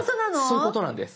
そういうことなんです。